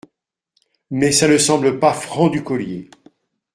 mais ça ne semble pas franc du collier